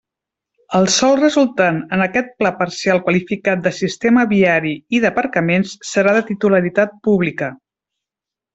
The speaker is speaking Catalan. El sòl resultant en aquest Pla parcial qualificat de sistema viari i d'aparcaments, serà de titularitat pública.